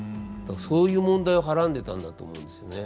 そういう問題をはらんでたんだと思うんですよね。